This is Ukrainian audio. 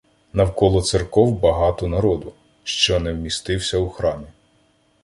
Навколо церков — багато народу, що не вмістився у храмі.